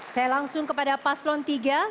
saya langsung kepada paslon tiga